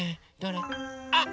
あっ！